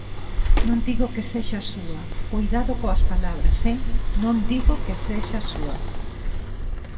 Non digo que sexa súa, ¡coidado coas palabras, ¡eh!, non digo que sexa súa.